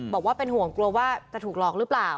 บอกว่าเป็นห่วงกลัวว่าจะถูกหลอกหรือเปล่า